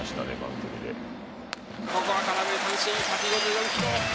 ここは空振り三振、１５４キ